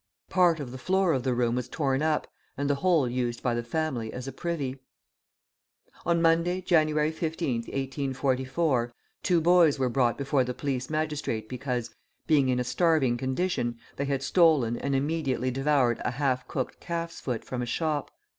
Part of the floor of the room was torn up, and the hole used by the family as a privy. On Monday, Jan. 15th, 1844, two boys were brought before the police magistrate because, being in a starving condition, they had stolen and immediately devoured a half cooked calf's foot from a shop.